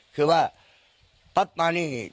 คือว่าตัดมานี่